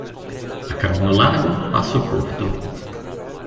A camino largo, paso corto.